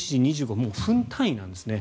もう分単位なんですね。